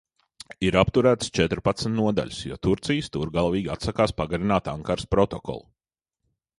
Ir apturētas četrpadsmit nodaļas, jo Turcija stūrgalvīgi atsakās pagarināt Ankaras protokolu.